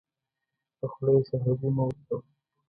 په خوله یې شاهدي مه ورکوه .